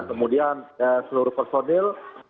kemudian seluruh personil